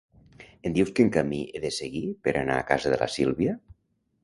Em dius quin camí he de seguir per anar a casa de la Sílvia?